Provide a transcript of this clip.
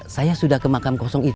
saya sudah ke makam kosong itu